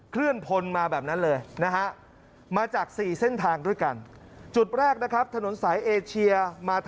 เคลื่อนพนมาแบบนั้นเลยนะฮะ